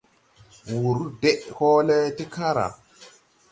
Wùr deʼ hɔɔlɛ ti kããra.